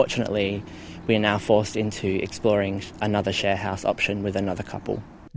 jadi kemungkinan kita sekarang terpaksa mencari opsi perumahan dengan pasangan lain